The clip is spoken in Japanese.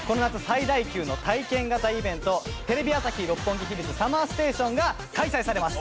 最大級の体験型イベントテレビ朝日・六本木ヒルズＳＵＭＭＥＲＳＴＡＴＩＯＮが開催されます！